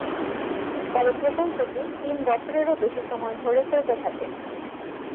তবে প্রকল্পটি তিন বছরেরও বেশি সময় ধরে চলতে থাকে।